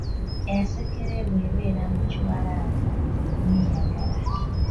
Ensekere bw’ebeera mu kiwalaata yeeyagala.